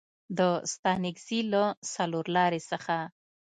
د ستانکزي له څلورلارې څخه